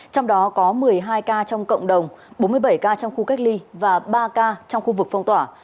trong đó có một mươi hai ca trong cộng đồng bốn mươi bảy ca trong khu cách ly và ba ca trong khu vực phong tỏa